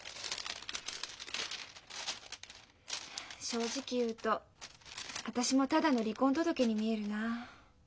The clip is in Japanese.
正直言うと私もただの離婚届に見えるな。